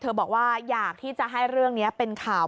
บอกว่าอยากที่จะให้เรื่องนี้เป็นข่าว